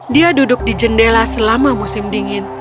dia duduk di jendela selama musim dingin